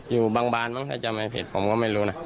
อยู่บางบานบ้างถ้าจำไม่ผิดผมก็ไม่รู้นะ